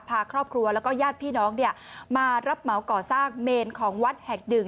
พาครอบครัวแล้วก็ญาติพี่น้องมารับเหมาก่อสร้างเมนของวัดแห่งหนึ่ง